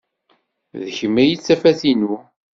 D kemm ay d tafat-inu.